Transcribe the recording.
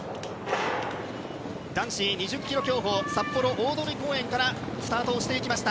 男子２０ｋｍ競歩札幌大通公園からスタートをしていきました。